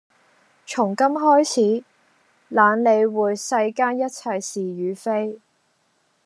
從今開始懶理會世間一切是與非